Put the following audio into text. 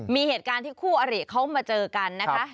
มีเหตุการณ์ที่คู่อริเขามาเจอกันนะคะ